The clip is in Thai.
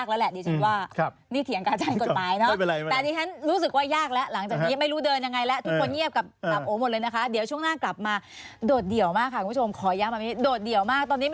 คุณผู้ชมภาคเอกสารในมือลงวันที่๑๘พฤษภาคมนะ